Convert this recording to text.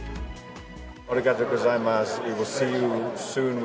ありがとうございます。